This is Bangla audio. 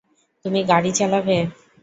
তুমি গাড়ি চালাবে?